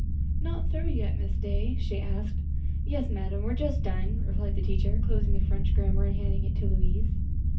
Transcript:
"Not through yet, Miss Day?" she asked. "Yes, madam, we are just done," replied the teacher, closing the French grammar and handing it to Louise.